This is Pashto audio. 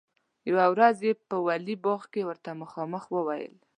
یوه ورځ یې په ولي باغ کې ورته مخامخ وویل.